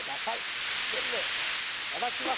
一生懸命やらして頂きます。